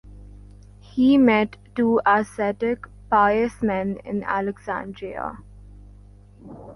He met two ascetic pious men in Alexandria.